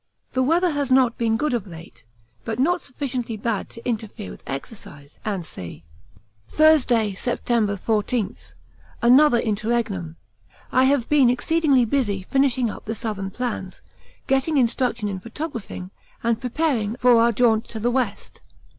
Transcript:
The weather has not been good of late, but not sufficiently bad to interfere with exercise, &c. Thursday, September 14. Another interregnum. I have been exceedingly busy finishing up the Southern plans, getting instruction in photographing, and preparing for our jaunt to the west.